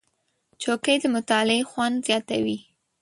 چوکۍ د مطالعې خوند زیاتوي.